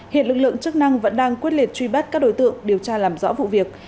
hiện lực lượng chức năng vẫn đang quyết liệt truy bắt các đối tượng điều tra làm rõ vụ việc